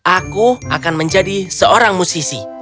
aku akan menjadi seorang musisi